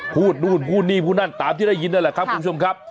พูดนู่นพูดนี่พูดนั่นตามที่ได้ยินนั่นแหละครับคุณผู้ชมครับ